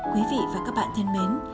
quý vị và các bạn thân mến